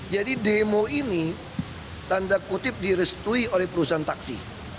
jadi demo ini tanda kutip direstui oleh perusahaan taksi